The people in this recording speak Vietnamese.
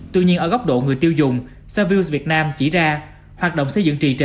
tuy nhiên ở góc độ người tiêu dùng savills việt nam chỉ ra hoạt động xây dựng trì trệ